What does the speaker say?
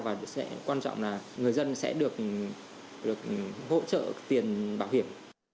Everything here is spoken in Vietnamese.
và quan trọng là người dân sẽ được hỗ trợ tiền bảo hiểm